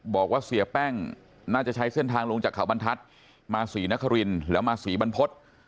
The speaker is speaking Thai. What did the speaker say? บอกว่าเสียแป้งน่าจะใช้เส้นทางลงจากเขาบรรทัศน์มาศรีนครินแล้วมาศรีบรรพฤษ